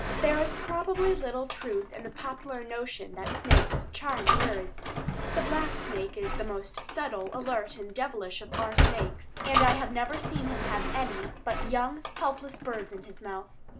There is probably little truth in the popular notion that snakes charm birds. The black snake is the most subtle, alert, and devilish of our snakes, and I have never seen him have any but young, helpless birds in his mouth.